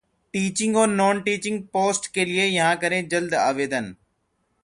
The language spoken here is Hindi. Teaching और Non-Teaching पोस्ट के लिए यहां करें जल्द आवेदन